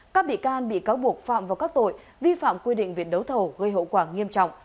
các bị can bị cáo buộc phạm vào các tội vi phạm quy định viện đấu thầu gây hậu quả nghiêm trọng